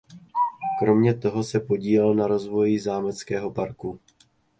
Kromě toho se podílel na rozvoji zámeckého parku.